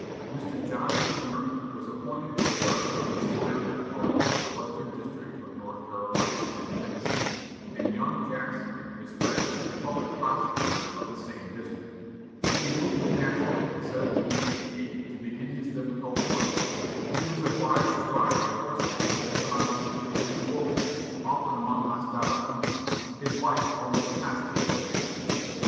Mr. John McNairy was appointed a judge of the Superior Court of the Western District of North Carolina (Tennessee), and young Jackson, his friend, public prosecutor of the same district. He moved to Nashville in 1788, to begin his difficult work. He was obliged to ride on horseback over the mountains and through the wilderness, often among hostile Indians, his life almost constantly in danger.